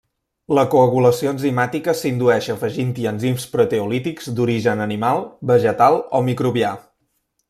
La coagulació enzimàtica s’indueix afegint-hi enzims proteolítics d’origen animal, vegetal o microbià.